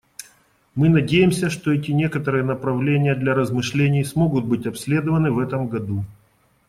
Мы надеемся, что эти некоторые направления для размышлений смогут быть обследованы в этом году.